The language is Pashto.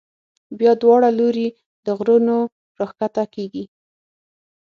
بیا دواړه لوري له غرونو را کښته کېږي.